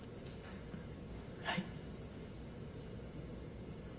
はい。